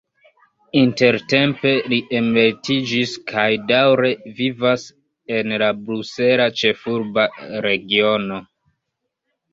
Intertempe li emeritiĝis kaj daŭre vivas en la Brusela Ĉefurba Regiono.